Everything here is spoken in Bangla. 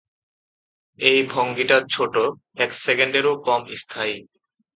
এই ভঙ্গিটা ছোট, এক সেকেন্ডেরও কম স্থায়ী।